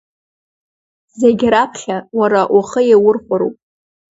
Зегь раԥхьа уара ухы иаурхәароуп.